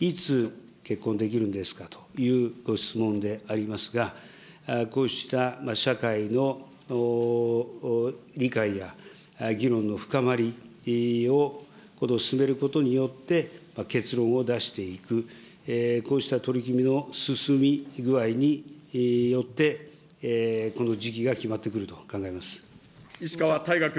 いつ結婚できるんですかというご質問でありますが、こうした社会の理解や議論の深まりを進めることによって、結論を出していく、こうした取り組みの進み具合によって、この時期が決まってくると石川大我君。